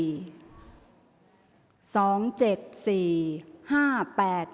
ออกรางวัลที่๖เลขที่๗